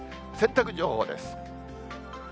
洗濯情報です。